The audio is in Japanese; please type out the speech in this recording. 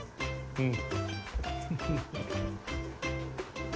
うん。